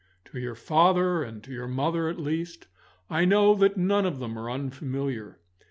To your father and to your mother, at least, I know that none of them are unfamiliar.